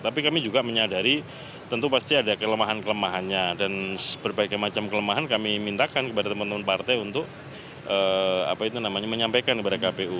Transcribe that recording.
tapi kami juga menyadari tentu pasti ada kelemahan kelemahannya dan berbagai macam kelemahan kami mintakan kepada teman teman partai untuk menyampaikan kepada kpu